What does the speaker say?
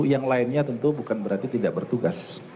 yang lainnya tentu bukan berarti tidak bertugas